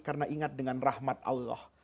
karena ingat dengan rahmat allah